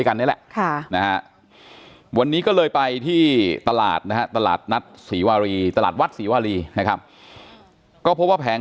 เพราะว่าปกติพี่จะทำงานตรงคืน